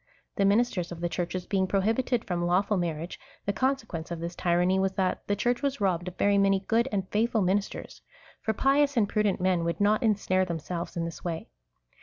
The ministers of the Churches being prohibited from lawful marriage, the consequence of this tyranny was, that the Church was robbed of very many good and faithful minis ters ; for pious and prudent men would not insnare them selves in this Avay.